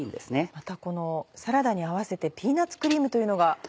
またこのサラダに合わせてピーナッツクリームというのが。